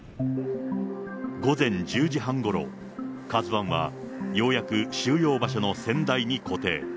午前１０時半ごろ、ＫＡＺＵＩは、ようやく収容場所の船台に固定。